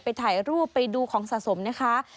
ถ่ายรูปไปดูของสะสมนะคะ